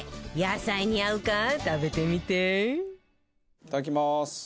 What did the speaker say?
いただきます！